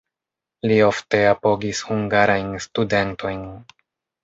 Li ofte apogis hungarajn studentojn.